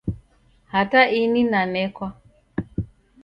Hata ini nanekwa